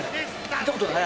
見たことない？